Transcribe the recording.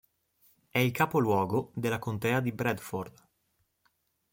È il capoluogo della Contea di Bradford.